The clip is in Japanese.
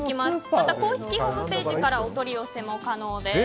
また公式ホームページからお取り寄せも可能です。